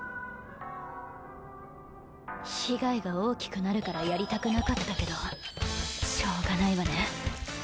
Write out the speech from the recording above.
被害が大きくなるからやりたくなかったけどしょうがないわね。